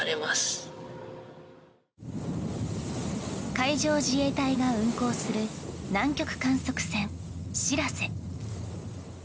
海上自衛隊が運航する南極観測船「しらせ」。